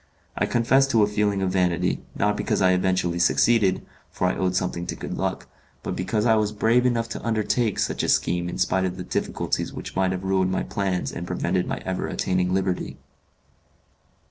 I confess to a feeling of vanity, not because I eventually succeeded for I owed something to good luck but because I was brave enough to undertake such a scheme in spite of the difficulties which might have ruined my plans and prevented my ever attaining liberty.